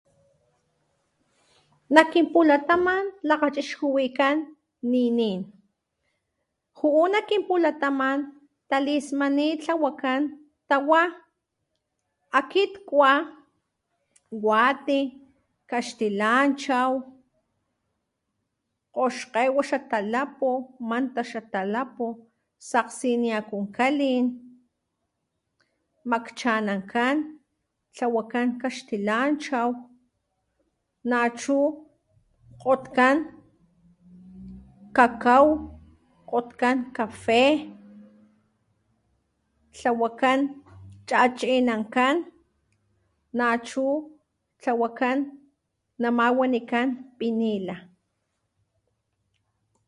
Nak kinpulataman lakgachixkuwikán ninín. Ju'u nak kinpulataman talismanit tlawakán tawá akit kwa wati, kastilanchaw, kgoxkgay wixakalapu mantaxatalapu sakgsini akunkgalin makgchanankán tlawakán kastilanchaw nachu kgotgán kakaw kgotgán kafé tlawakán ch'achinankán nachu tlawakán nama walikán pinila.